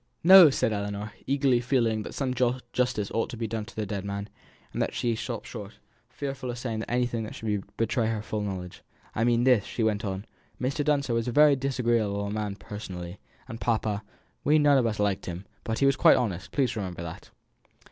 "No!" said Ellinor, eagerly, feeling that some justice ought to be done to the dead man; and then she stopped short, fearful of saying anything that should betray her full knowledge. "I mean this," she went on; "Mr. Dunster was a very disagreeable man personally and papa we none of us liked him; but he was quite honest please remember that."